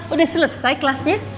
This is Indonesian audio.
udah selesai kelasnya